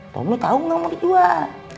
tomi tau gak mau dijual